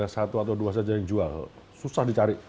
satu atau dua saja yang jual susah dicari